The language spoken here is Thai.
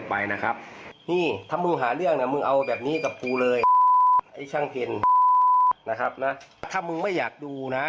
แป๊บนึงผมไปเอาน้ำก่อน